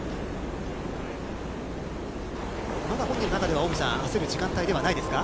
まだ本人の中では近江さん、焦る時間帯ではないですか？